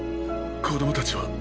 子供たちは？